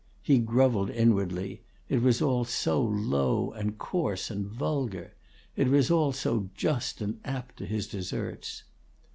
He grovelled inwardly; it was all so low and coarse and vulgar; it was all so just and apt to his deserts.